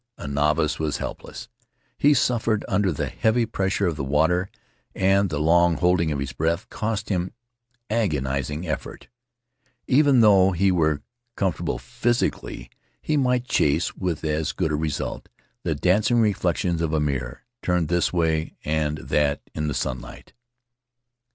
A novice was helpless. He suffered under the heavy pressure of the water, and the long holding of his breath Faery Lands of the South Seas cost him agonized effort. Even though he were com fortable physically he might chase, with as good result, the dancing reflections of a mirror, turned this way and that in the sunlight.